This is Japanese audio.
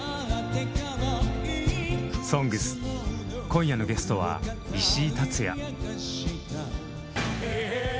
「ＳＯＮＧＳ」今夜のゲストは石井竜也。